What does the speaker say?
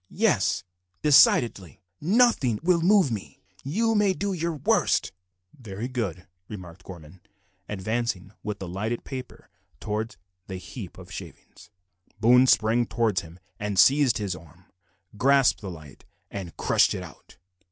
"Yes, decidedly. Nothing will move me. You may do your worst." "Very good," remarked Gorman, advancing with the lighted paper towards the heap of shavings. Boone sprang towards him, and, seizing his arms, grasped the light and crushed it out.